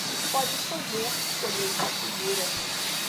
Pode chover, colheita segura.